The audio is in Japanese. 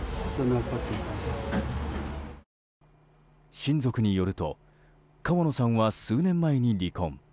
親族によると川野さんは数年前に離婚。